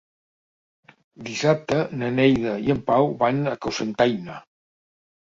Dissabte na Neida i en Pau van a Cocentaina.